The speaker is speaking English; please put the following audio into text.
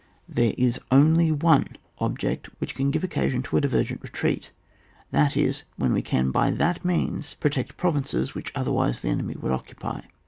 There is anhj one object which can give occftsion to a divergent retreat, that is when we can by that means pro tect provinces which otherwise the enemy would occupy.